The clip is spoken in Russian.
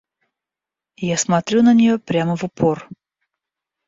Я смотрю на неё прямо в упор.